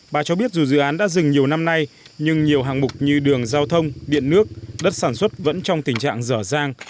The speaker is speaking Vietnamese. bà cho biết dù dự án đã dừng nhiều năm nay nhưng nhiều hạng mục như đường giao thông điện nước đất sản xuất vẫn trong tình trạng dở dang